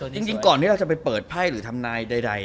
จริงก่อนที่เราจะไปเปิดไพ่หรือทำนายใด